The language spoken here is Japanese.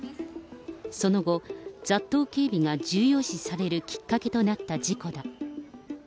その後、雑踏警備が重要視されるきっかけとなった事故だ。